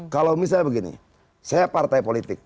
kalau misalnya begini saya partai politik